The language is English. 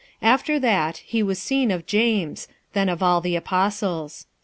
46:015:007 After that, he was seen of James; then of all the apostles.